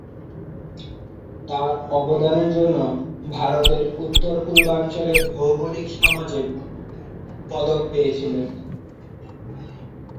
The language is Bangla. তাঁর অবদানের জন্য ভারতের উত্তর-পূর্বাঞ্চলের ভৌগোলিক সমাজে পদক পেয়েছিলেন।